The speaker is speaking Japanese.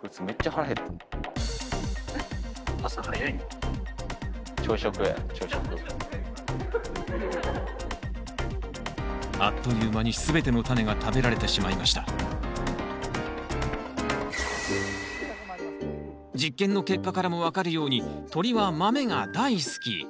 こいつあっという間に全てのタネが食べられてしまいました実験の結果からも分かるように鳥は豆が大好き。